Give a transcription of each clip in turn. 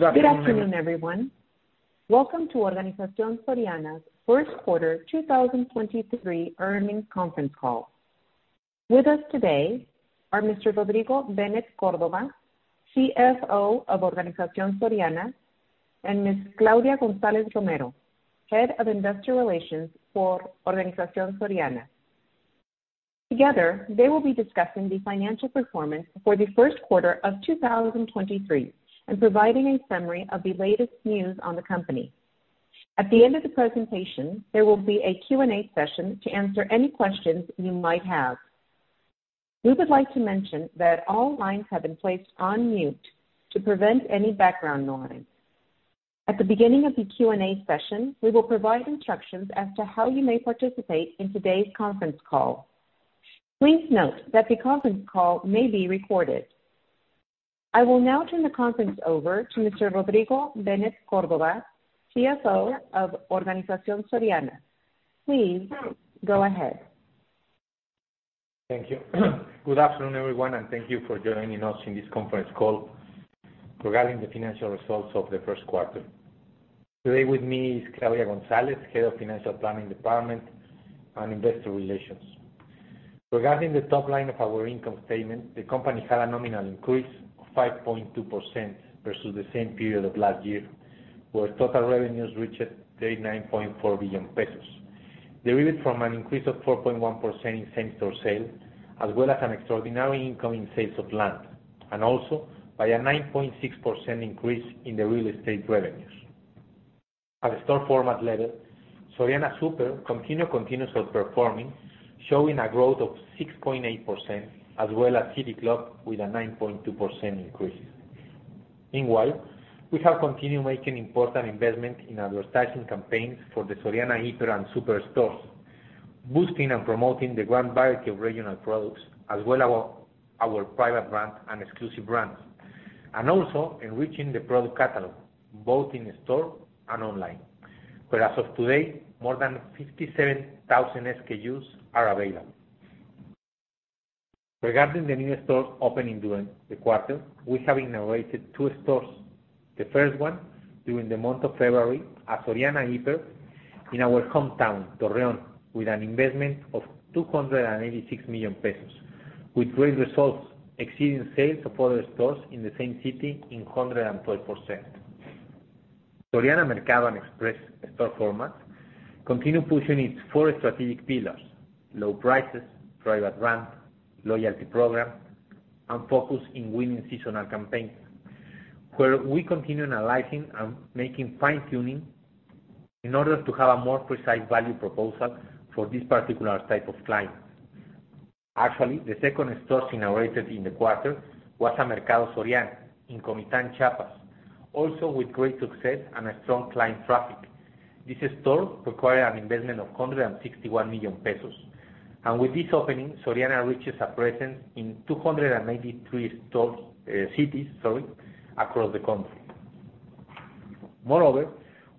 Good afternoon, everyone. Welcome to Organización Soriana's first quarter 2023 earnings conference call. With us today are Mr. Rodrigo Benet Córdova, CFO of Organización Soriana, and Ms. Claudia González Romero, Head of Investor Relations for Organización Soriana. Together, they will be discussing the financial performance for the first quarter of 2023 and providing a summary of the latest news on the company. At the end of the presentation, there will be a Q&A session to answer any questions you might have. We would like to mention that all lines have been placed on mute to prevent any background noise. At the beginning of the Q&A session, we will provide instructions as to how you may participate in today's conference call. Please note that the conference call may be recorded. I will now turn the conference over to Mr. Rodrigo Benet Córdova, CFO of Organización Soriana. Please go ahead. Thank you. Good afternoon, everyone, and thank you for joining us in this conference call regarding the financial results of the first quarter. Today with me is Claudia González, Head of Financial Planning Department and Investor Relations. Regarding the top line of our income statement, the company had a nominal increase of 5.2% versus the same period of last year, where total revenues reached 39.4 billion pesos, derived from an increase of 4.1% in same-store sales, as well as an extraordinary income in sales of land, and also by a 9.6% increase in the real estate revenues. At the store format level, Soriana Súper continued continuous outperforming, showing a growth of 6.8%, as well as City Club with a 9.2% increase. Meanwhile, we have continued making important investment in advertising campaigns for the Soriana Híper and Súper stores, boosting and promoting the grand variety of regional products, as well our private brand and exclusive brands. Also enriching the product catalog, both in store and online. As of today, more than 57,000 SKUs are available. Regarding the new stores opening during the quarter, we have inaugurated two stores. The first one during the month of February, a Soriana Híper in our hometown, Torreón, with an investment of 286 million pesos, with great results exceeding sales of other stores in the same city in 112%. Soriana Mercado Express store format continue pushing its four strategic pillars: low prices, private brand, loyalty program, and focus in winning seasonal campaigns, where we continue analyzing and making fine-tuning in order to have a more precise value proposal for this particular type of client. Actually, the second store inaugurated in the quarter was a Soriana Mercado in Comitán, Chiapas, also with great success and a strong client traffic. This store required an investment of 161 million pesos. With this opening, Soriana reaches a presence in 293 stores, cities, sorry, across the country.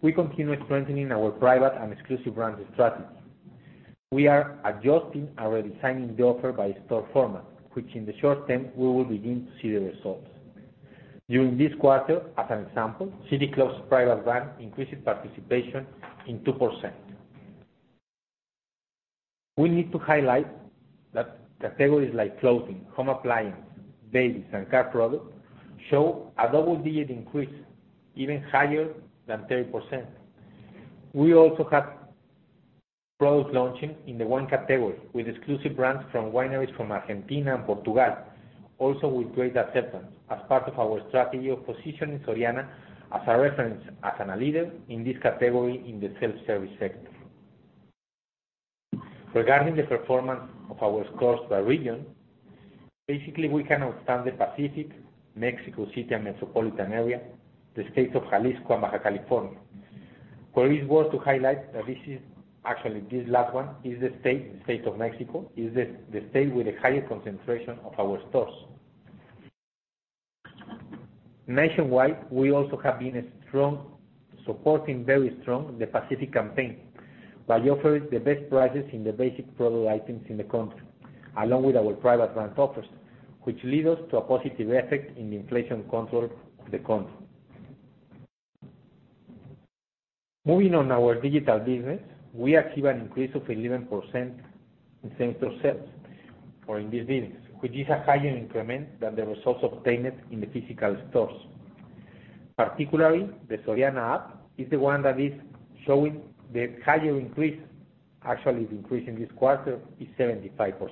We continue strengthening our private and exclusive brand strategy. We are adjusting and redesigning the offer by store format, which in the short term, we will begin to see the results. During this quarter, as an example, City Club's private brand increased its participation in 2%. We need to highlight that categories like clothing, home appliance, babies, and car products show a double-digit increase even higher than 30%. We also have products launching in the wine category with exclusive brands from wineries from Argentina and Portugal, also with great acceptance as part of our strategy of positioning Soriana as a reference, as an leader in this category in the self-service sector. Regarding the performance of our stores by region, basically, we can understand the Pacific, Mexico City and Metropolitan area, the states of Jalisco and Baja California, where it's worth to highlight that Actually, this last one is the state, the State of Mexico, is the state with the highest concentration of our stores. Nationwide, we also have been supporting very strong the Pacific campaign by offering the best prices in the basic product items in the country, along with our private brand offers, which lead us to a positive effect in the inflation control of the country. Moving on our digital business, we achieve an increase of 11% in same-store sales for in these business, which is a higher increment than the results obtained in the physical stores. Particularly, the Soriana App is the one that is showing the higher increase. Actually, the increase in this quarter is 75%.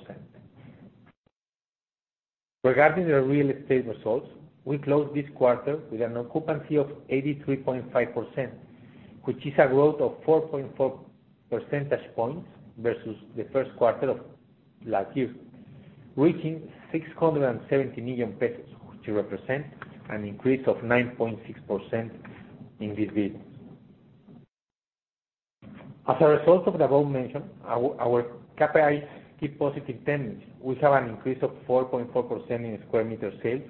Regarding the real estate results, we closed this quarter with an occupancy of 83.5%, which is a growth of 4.4 percentage points versus the 1st quarter of last year, reaching 670 million pesos, which represent an increase of 9.6% in this business. As a result of the above mention, our KPIs keep positive trends. We have an increase of 4.4% in square meter sales,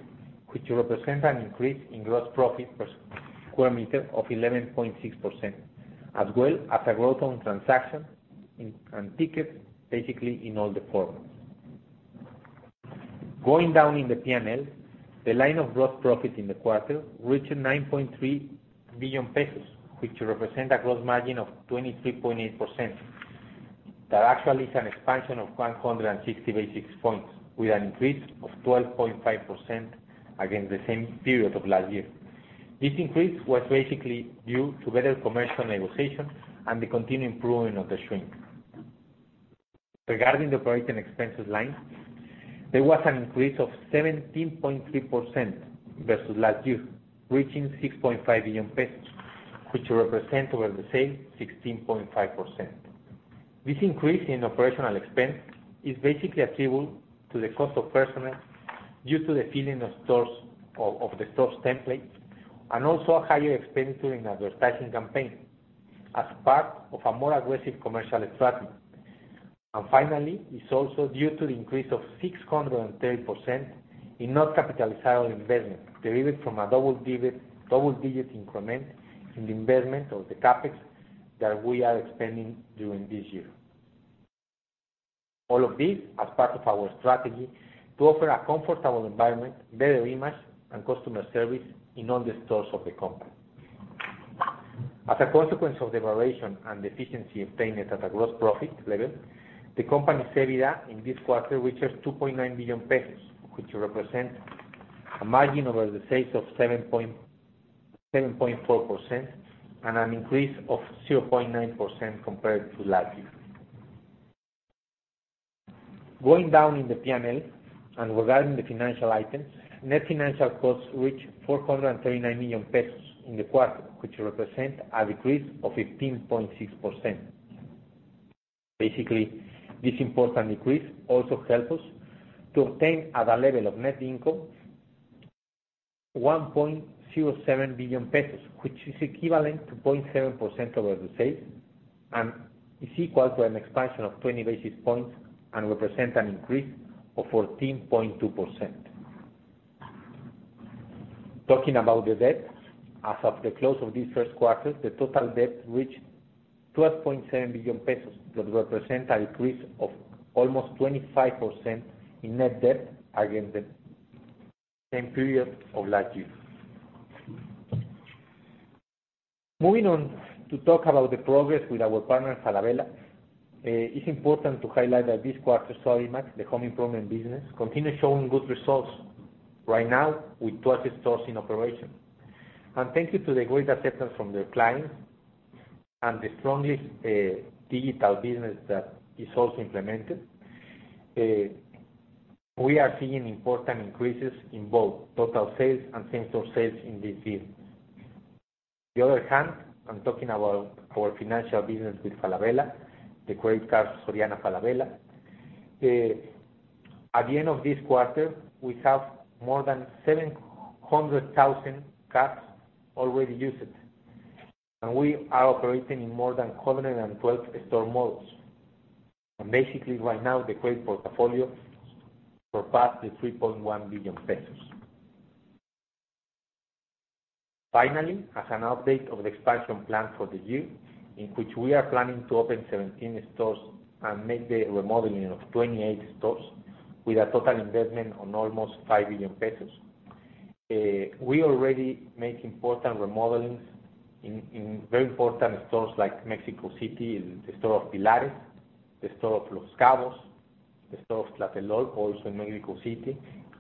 which represent an increase in gross profit per square meter of 11.6%, as well as a growth on transaction and ticket, basically in all the formats. Going down in the P&L, the line of gross profit in the quarter reached 9.3 billion pesos, which represent a gross margin of 23.8%. That actually is an expansion of 160 basis points with an increase of 12.5% against the same period of last year. This increase was basically due to better commercial negotiation and the continued improving of the shrink. Regarding the operating expenses line, there was an increase of 17.3% versus last year, reaching 6.5 billion pesos, which represent over the sale 16.5%. This increase in operational expense is basically attributable to the cost of personnel due to the filling of the stores template, and also a higher expenditure in advertising campaign as part of a more aggressive commercial strategy. Finally, it's also due to the increase of 630% in non-capitalizable investment derived from a double digit increment in the investment of the CapEx that we are expanding during this year. All of this as part of our strategy to offer a comfortable environment, better image, and customer service in all the stores of the company. As a consequence of the evaluation and the efficiency obtained at a gross profit level, the company's EBITDA in this quarter reaches 2.9 billion pesos, which represent a margin over the sales of 7.4% and an increase of 0.9% compared to last year. Going down in the P&L and regarding the financial items, net financial costs reach 439 million pesos in the quarter, which represent a decrease of 15.6%. Basically, this important decrease also help us to obtain at a level of net income 1.07 billion pesos, which is equivalent to 0.7% over the sales and is equal to an expansion of 20 basis points and represent an increase of 14.2%. Talking about the debt, as of the close of this 1st quarter, the total debt reached 12.7 billion pesos that represent an increase of almost 25% in net debt against the same period of last year. Moving on to talk about the progress with our partner, Falabella, it's important to highlight that this quarter, Sodimac, the home improvement business, continue showing good results right now with 12 stores in operation. Thank you to the great acceptance from the clients and the strongest digital business that is also implemented. We are seeing important increases in both total sales and same store sales in this business. The other hand, I'm talking about our financial business with Falabella, the credit card, Soriana Falabella. At the end of this quarter, we have more than 700,000 cards already used. We are operating in more than 112 store malls. Basically right now, the credit portfolio surpassed the MXN 3.1 billion. Finally, as an update of the expansion plan for the year in which we are planning to open 17 stores and make the remodeling of 28 stores with a total investment on almost 5 billion pesos. We already make important remodelings in very important stores like Mexico City, in the store of Pilares, the store of Los Cabos, the store of Tlatelolco, also in Mexico City,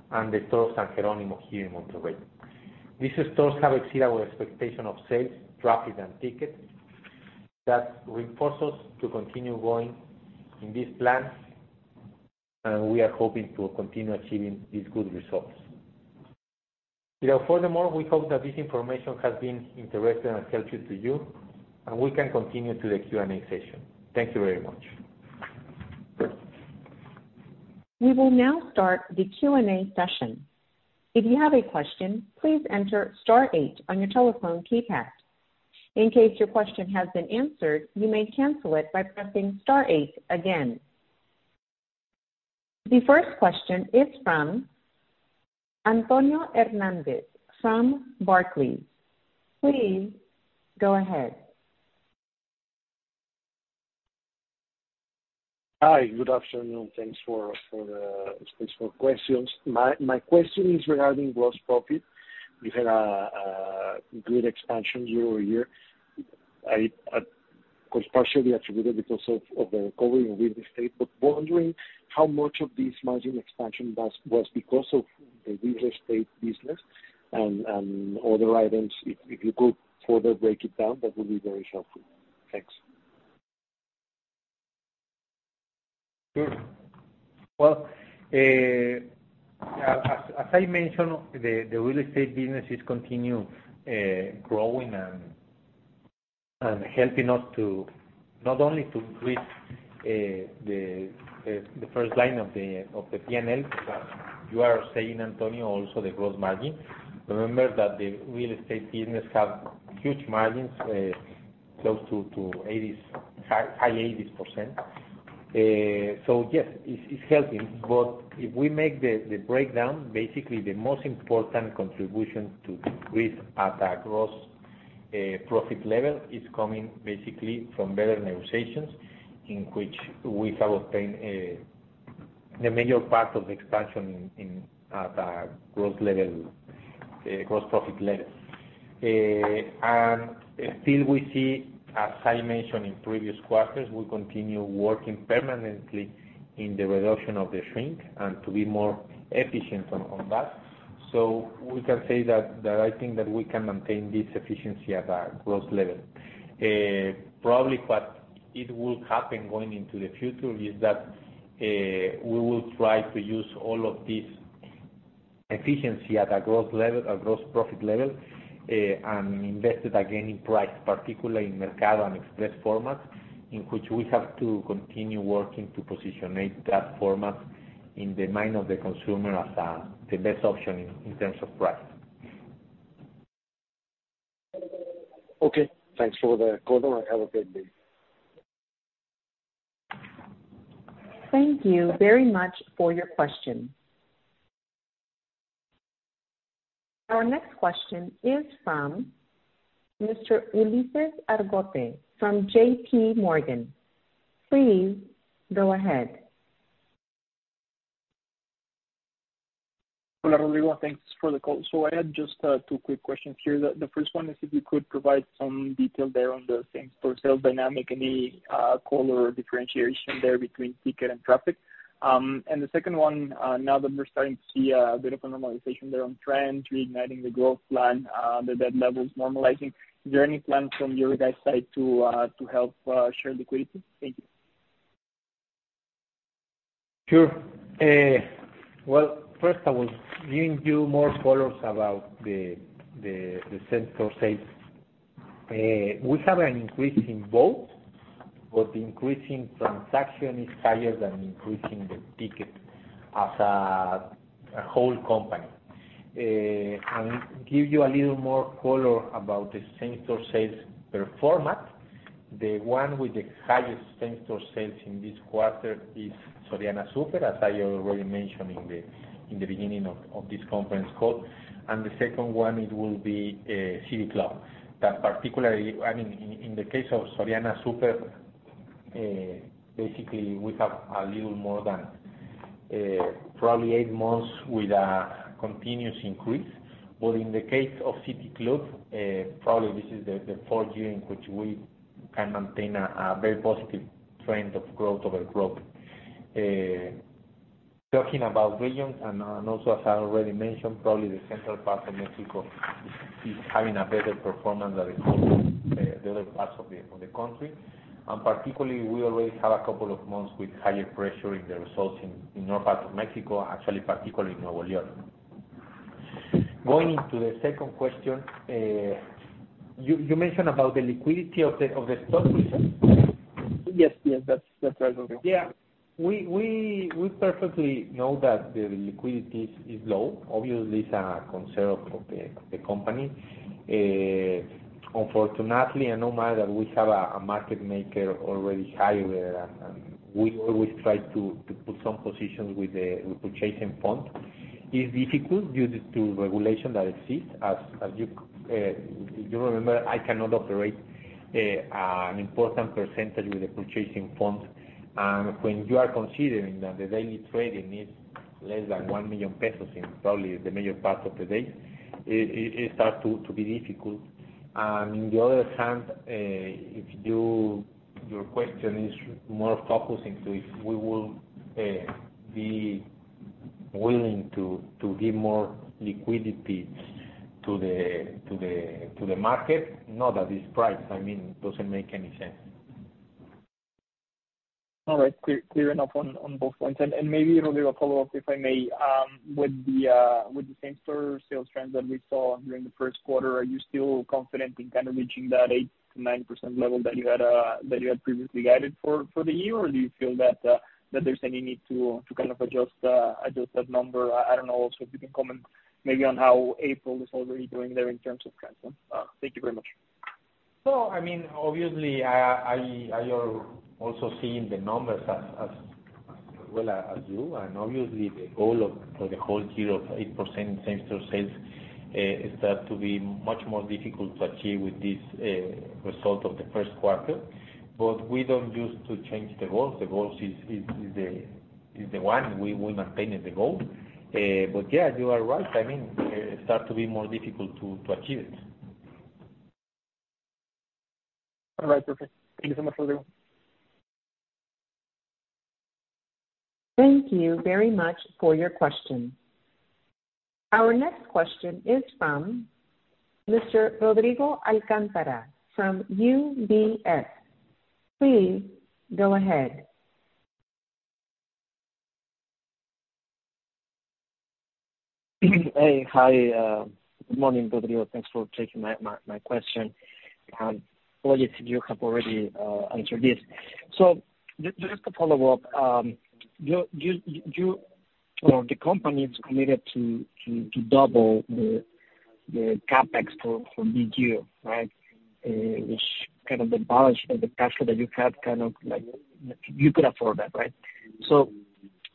and the store of San Jerónimo here in Monterrey. These stores have exceeded our expectation of sales, traffic, and ticket. That reinforces us to continue going in these plans, and we are hoping to continue achieving these good results. Without furthermore, we hope that this information has been interesting and helpful to you, and we can continue to the Q&A session. Thank you very much. We will now start the Q&A session. If you have a question, please enter star eight on your telephone keypad. In case your question has been answered, you may cancel it by pressing star eight again. The first question is from Antonio Hernández from Barclays. Please go ahead. Hi. Good afternoon. Thanks for the space for questions. My question is regarding gross profit. You had a good expansion year-over-year. I was partially attributed because of the recovery in real estate, but wondering how much of this margin expansion was because of the real estate business and other items. If you could further break it down, that would be very helpful. Thanks. Sure. Well, as I mentioned, the real estate businesses continue growing and helping us to not only to reach the first line of the P&L, but you are saying, Antonio, also the gross margin. Remember that the real estate business have huge margins, close to 80s, high 80s%. Yes, it's helping. If we make the breakdown, basically the most important contribution to increase at a gross profit level is coming basically from better negotiations in which we have obtained the major part of expansion in, at gross level, gross profit level. Still we see, as I mentioned in previous quarters, we continue working permanently in the reduction of the shrink and to be more efficient on that. We can say that I think that we can maintain this efficiency at a gross level. Probably what it will happen going into the future is that we will try to use all of this efficiency at a gross level, a gross profit level, and invest it again in price, particularly in Mercado and Express format, in which we have to continue working to position that format in the mind of the consumer as the best option in terms of price. Okay. Thanks for the call. Have a great day. Thank you very much for your question. Our next question is from Mr. Ulises Argote from JPMorgan. Please go ahead. Hola, Rodrigo. Thanks for the call. I had just two quick questions here. The first one is if you could provide some detail there on the same store sales dynamic, any color or differentiation there between ticket and traffic. The second one, now that we're starting to see a bit of a normalization there on trend, reigniting the growth plan, the debt levels normalizing, is there any plan from your guys side to help share liquidity? Thank you. Sure. Well, first I was giving you more colors about the same store sales. We have an increase in both, but the increase in transaction is higher than increase in the ticket as a whole company. Give you a little more color about the same store sales per format. The one with the highest same store sales in this quarter is Soriana Súper, as I already mentioned in the beginning of this conference call, and the second one it will be City Club. Particularly, I mean, in the case of Soriana Súper, basically we have a little more than probably eight months with a continuous increase. In the case of City Club, probably this is the fourth year in which we can maintain a very positive trend of growth over growth. talking about regions and also as I already mentioned, probably the central part of Mexico is having a better performance than the other parts of the country. Particularly, we always have 2 months with higher pressure in the results in north part of Mexico, actually, particularly in Nuevo León. Going into the second question, you mentioned about the liquidity of the stock, is it? Yes. Yes. That's right, Rodrigo. Yeah. We perfectly know that the liquidity is low. Obviously, it's a concern of the company. Unfortunately, no matter we have a market maker already hired, and we always try to put some positions with the purchasing fund, it's difficult due to regulation that exists. As you remember, I cannot operate an important percentage with the purchasing funds. When you are considering that the daily trading is less than 1 million pesos in probably the major part of the day, it starts to be difficult. In the other hand, if your question is more focusing to if we will be willing to give more liquidity to the market, not at this price. I mean, it doesn't make any sense. All right. Clear enough on both points. Maybe Rodrigo a follow up, if I may. With the same store sales trends that we saw during the first quarter, are you still confident in kind of reaching that 8%-9% level that you had previously guided for the year? Or do you feel that there's any need to kind of adjust that number? I don't know also if you can comment maybe on how April is already doing there in terms of trends. Thank you very much. I mean, obviously I are also seeing the numbers as well as you. Obviously the goal of, for the whole year of 8% same store sales, it start to be much more difficult to achieve with this result of the first quarter. We don't use to change the goals. The goals is the one. We will maintain the goal. Yeah, you are right. I mean, it start to be more difficult to achieve it. All right. Perfect. Thank you so much, Rodrigo. Thank you very much for your question. Our next question is from Mr. Rodrigo Alcántara from UBS. Please go ahead. Hey. Hi. Good morning, Rodrigo. Thanks for taking my question. Well, I guess you have already answered this. Just to follow up, you or the company is committed to double the CapEx for this year, right? Which kind of the balance or the cash flow that you have kind of like you could afford that, right?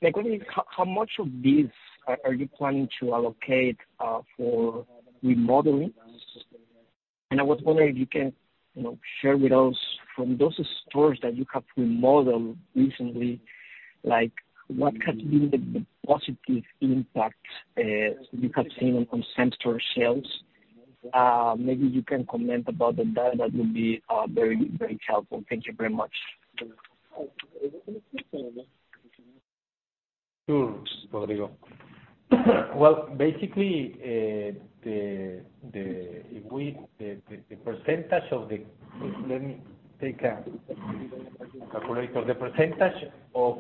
My question is, how much of this are you planning to allocate for remodeling? I was wondering if you can, you know, share with us from those stores that you have remodeled recently, like, what has been the positive impact you have seen on same store sales? Maybe you can comment about the data, that would be very helpful. Thank you very much. Sure, Rodrigo. Well, basically, the percentage of the... Just let me take a break. The percentage of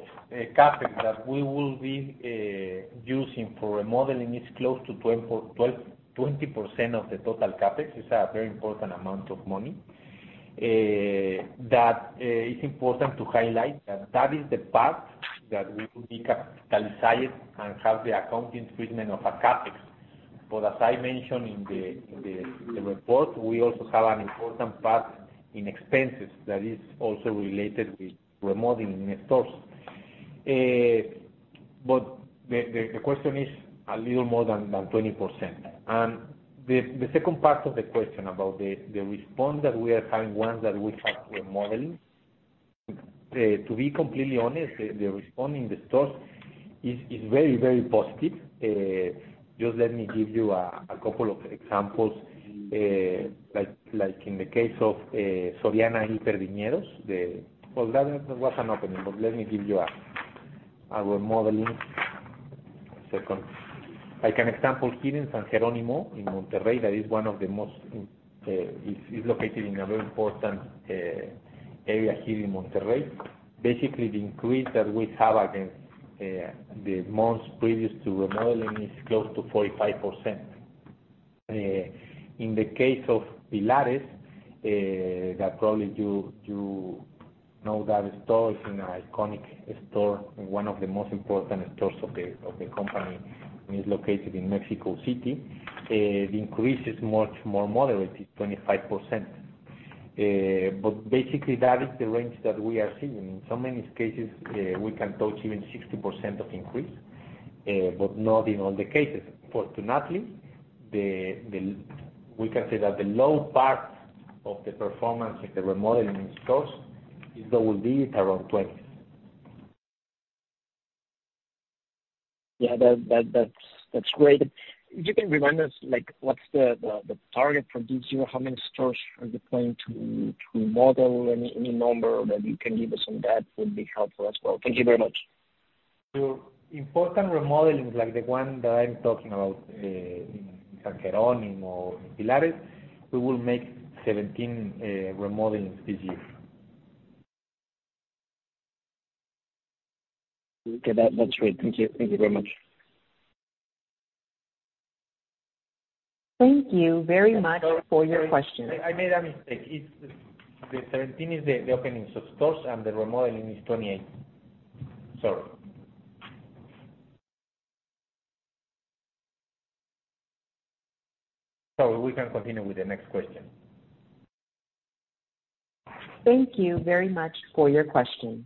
CapEx that we will be using for remodeling is close to 20% of the total CapEx. It's a very important amount of money. That is important to highlight that that is the part that we will be capitalizing and have the accounting treatment of a CapEx. As I mentioned in the report, we also have an important part in expenses that is also related with remodeling in the stores. The question is a little more than 20%. The second part of the question about the response that we are having, ones that we have remodeling, to be completely honest, the response in the stores is very, very positive. Just let me give you a couple of examples. Like in the case of Soriana in Perdiñeros. Well, that was an opening, but let me give you a remodeling. One second. I can example here in San Jerónimo in Monterrey, that is one of the most, is located in a very important area here in Monterrey. Basically, the increase that we have against the months previous to remodeling is close to 45%. In the case of Pilares, that probably you know that store. It's an iconic store and one of the most important stores of the company, and is located in Mexico City. The increase is much more moderate, is 25%. Basically that is the range that we are seeing. In some cases, we can touch even 60% of increase, not in all the cases. Fortunately, the low part of the performance of the remodeling stores is that will be around 20%. Yeah. That's great. If you can remind us, like, what's the target for this year? How many stores are you planning to remodel? Any number that you can give us on that would be helpful as well. Thank you very much. Important remodeling like the one that I'm talking about, in San Jerónimo or in Pilares, we will make 17 remodeling this year. Okay. That's great. Thank you. Thank you very much. Thank you very much for your question. I made a mistake. It's The 17 is the opening of stores and the remodeling is 28. Sorry. We can continue with the next question. Thank you very much for your question.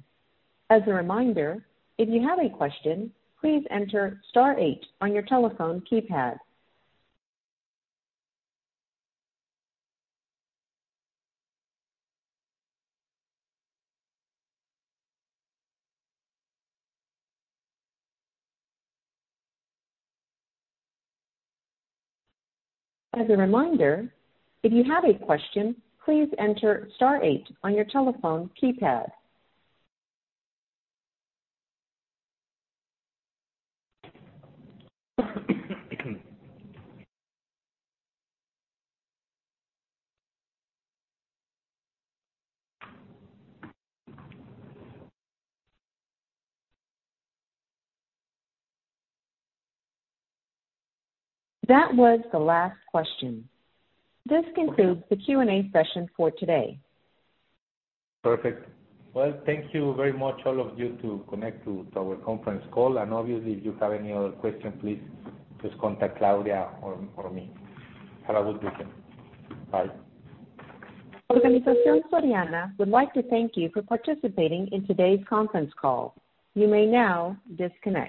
As a reminder, if you have a question, please enter star eight on your telephone keypad. That was the last question. This concludes the Q&A session for today. Perfect. Well, thank you very much all of you to connect to our conference call. Obviously, if you have any other question, please just contact Claudia or me. Have a good weekend. Bye. Organización Soriana would like to thank you for participating in today's conference call. You may now disconnect.